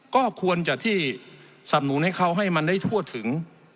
ก็ควรจะที่สำนุนให้เขาให้มันได้ทั่วถึง